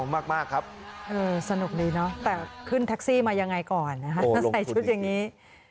แต่ขึ้นทักซี่มายังไงก่อนใส่ชุดอย่างนี้